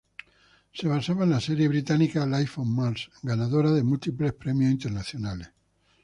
Se basaba en la serie británica "Life on Mars", ganadora de múltiples premios internacionales.